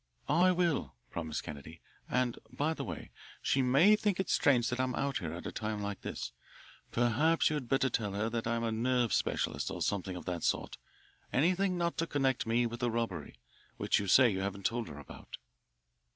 "I will," promised Kennedy, "and by the way, she may think it strange that I'm out here at a time like this. Perhaps you had better tell her I'm a nerve specialist or something of that sort anything not to connect me with the robbery, which you say you haven't told her about."